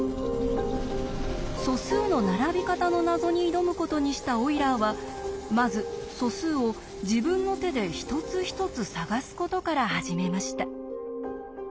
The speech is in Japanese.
素数の並び方の謎に挑むことにしたオイラーはまず素数を自分の手で一つ一つ探すことから始めました。